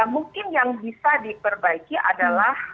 mungkin yang bisa diperbaiki adalah